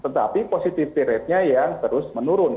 tetapi positivity ratenya yang terus menurun